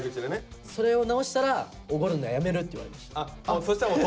それを直したらおごるのはやめるって言われました。